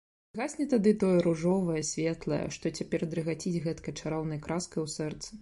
І згасне тады тое ружовае, светлае, што цяпер дрыгаціць гэткай чароўнай краскай у сэрцы.